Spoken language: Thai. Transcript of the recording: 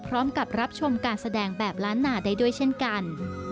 พร้อมกับรับชมการแสดงแบบล้านหนาได้ด้วยเช่นกัน